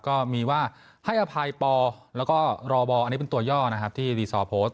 ก็มีว่าให้อภัยปอแล้วก็รอบออันนี้เป็นตัวย่อนะครับที่รีซอร์โพสต์